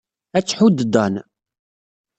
Ad tḥudd Dan.